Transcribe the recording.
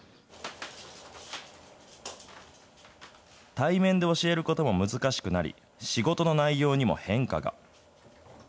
対面で教えることも難しくなり、仕事の内容にも変化が。